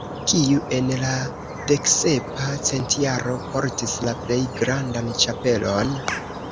Kiu en la deksepa centjaro portis la plej grandan ĉapelon?